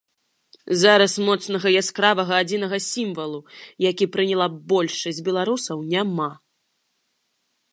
Зараз моцнага і яскравага адзінага сімвалу, які прыняла б большасць беларусаў, няма.